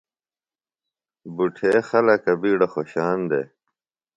بُٹھے خلکہ بِیڈہ خوۡشان دےۡ ۔